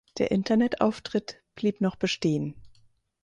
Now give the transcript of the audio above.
Der Internetauftritt blieb noch bestehen.